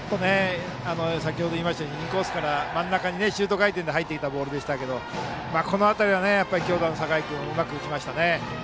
先ほど言いましたようにインコースから真ん中にシュート回転で入ってきたボールですがこの辺りは強打の酒井君はうまく打ちましたね。